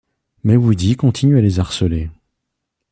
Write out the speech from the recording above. Mais Woody continue à les harceler.